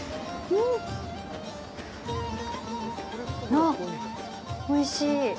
あっ、おいしい。